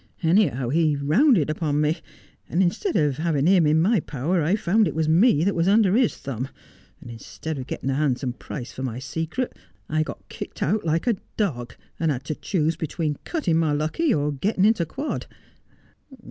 Anyhow, he rounded upon me ; and instead of having him in my power, I found it was me that was under his thumb ; and instead of getting a handsome price for my secret I got kicked out like a dog, and had to choose between cutting my lucky or getting into quod.